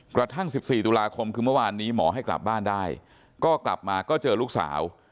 กระทั่ง๑๔ตุลาคมคือเมื่อวานนี้หมอให้กลับบ้านได้ก็กลับมาก็เจอลูกสาว